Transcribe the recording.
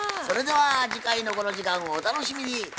それでは次回のこの時間をお楽しみに。